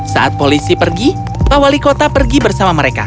saat polisi pergi pak wali kota pergi bersama mereka